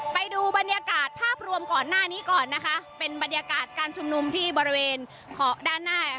ไปดูบรรยากาศภาพรวมก่อนหน้านี้ก่อนนะคะเป็นบรรยากาศการชุมนุมที่บริเวณขอด้านหน้า